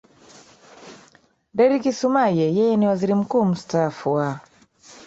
derick sumaye yeye ni waziri mkuu mstaafu wa